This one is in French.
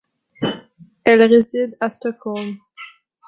Elle réside à Stockholm.